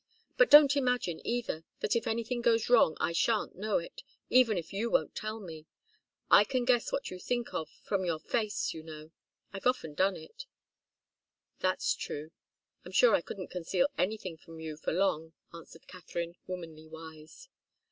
But don't imagine, either, that if anything goes wrong I shan't know it, even if you won't tell me. I can guess what you think of from your face, you know I've often done it." "That's true I'm sure I couldn't conceal anything from you for long," answered Katharine, womanly wise.